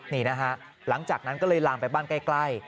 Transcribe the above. นี่นะฮะหลังจากนั้นก็เลยลามไปบ้านใกล้